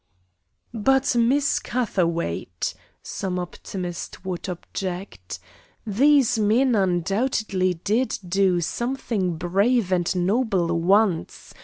"But, Miss Catherwaight," some optimist would object, "these men undoubtedly did do something brave and noble once.